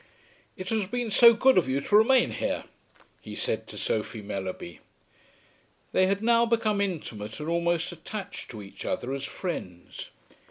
"It has been so good of you to remain here," he said to Sophie Mellerby. They had now become intimate and almost attached to each other as friends.